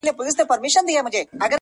هغه ورځ لکه کارګه په ځان پوهېږي!.